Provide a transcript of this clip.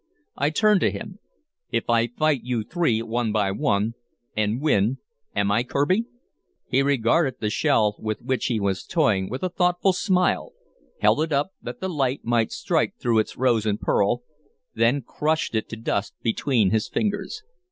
I turned to him. "If I fight you three, one by one, and win, am I Kirby?" He regarded the shell with which he was toying with a thoughtful smile, held it up that the light might strike through its rose and pearl, then crushed it to dust between his fingers.